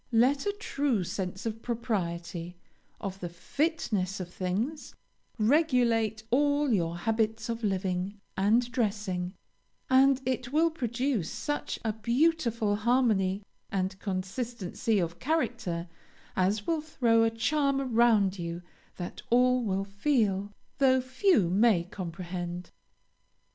Let a true sense of propriety, of the fitness of things, regulate all your habits of living and dressing, and it will produce such a beautiful harmony and consistency of character as will throw a charm around you that all will feel, though few may comprehend.